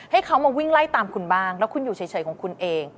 ให้เขามาวิ่งไล่ตามคุณบ้างแล้วคุณอยู่เฉยของคุณเอง